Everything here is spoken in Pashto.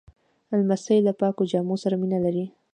لمسی له پاکو جامو سره مینه لري.